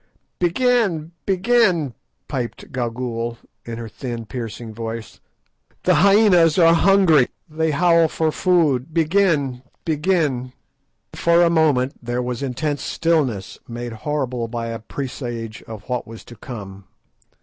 '" "Begin! begin!" piped Gagool, in her thin piercing voice; "the hyænas are hungry, they howl for food. Begin! begin!" Then for a moment there was intense stillness, made horrible by a presage of what was to come.